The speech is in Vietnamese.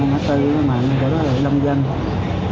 nó tư mạnh chỗ đó là lông danh